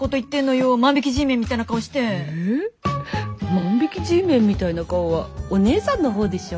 万引きＧメンみたいな顔はお姉さんの方でしょ？